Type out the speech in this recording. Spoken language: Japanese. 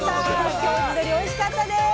今日地鶏おいしかったです。